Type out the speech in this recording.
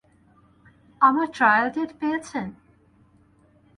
আমার trial date পেয়েছেন?